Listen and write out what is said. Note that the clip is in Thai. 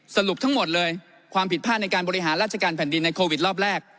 สรุปทั้งหมดเลยความผิดพลาดในการบริหารราชการแผ่นดินในโควิดรอบแรก